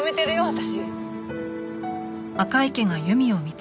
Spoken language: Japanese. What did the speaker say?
私。